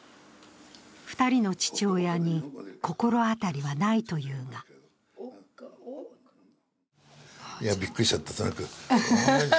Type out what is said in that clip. ２人の父親に心当たりはないと言うがいや、びっくりしちゃった、とにかく。